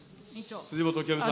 辻元清美さん。